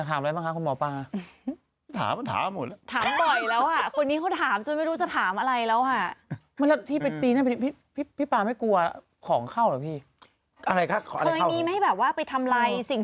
ถ้าคุณเป็นวิญญาณคุณจะไปอยู่ในที่เล็กทำไม